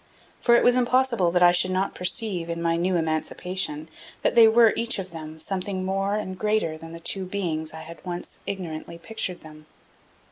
For it was impossible that I should not perceive, in my new emancipation, that they were, each of them, something more and greater than the two beings I had once ignorantly pictured them.